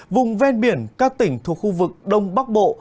vùng ven biển các tỉnh thuộc khu vực đông bắc bộ